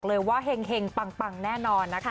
เลยว่าเห็งปังแน่นอนนะคะ